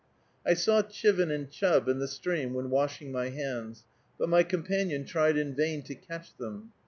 I saw chivin and chub in the stream when washing my hands, but my companion tried in vain to catch them.